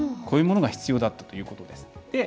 こういうものが必要だったということです。